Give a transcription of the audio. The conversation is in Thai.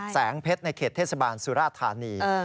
แสงเพชรในเขตเทศบาลสุราธานี